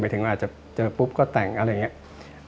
ถึงอาจจะเจอปุ๊บก็แต่งอะไรอย่างนี้